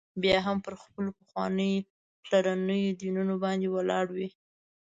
بیا هم پر خپلو پخوانیو پلرنيو دینونو باندي ولاړ وي.